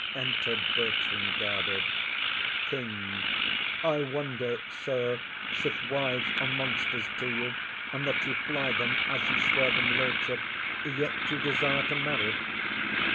Enter Bertram, guarded. KING. I wonder, sir, since wives are monsters to you, And that you fly them as you swear them lordship, Yet you desire to marry.